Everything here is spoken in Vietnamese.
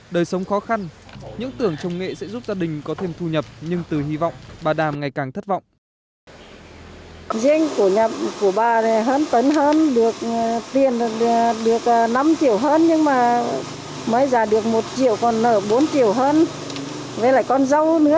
đời sống khó khăn những tưởng trồng nghệ sẽ giúp gia đình có thêm thu nhập nhưng từ hy vọng bà đàm ngày càng thất vọng